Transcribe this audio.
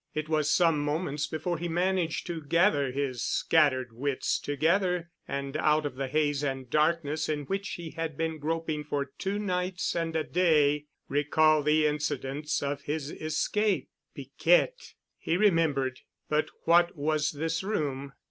It was some moments before he managed to gather his scattered wits together and out of the haze and darkness in which he had been groping for two nights and a day, recall the incidents of his escape. Piquette! He remembered.... But what was this room?